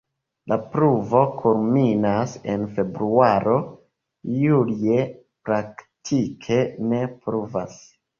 La pluvo kulminas en februaro, julie praktike ne pluvas.